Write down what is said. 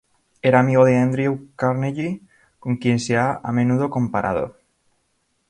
Era amigo de Andrew Carnegie, con quien se ha a menudo comparado.